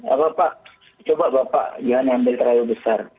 apa pak coba bapak jangan ambil terlalu besar